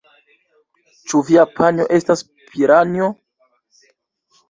Ĉu via panjo estas piranjo?